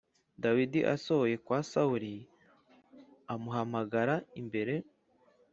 Dawidi asohoye kwa Sawuli amuhagarara imbere.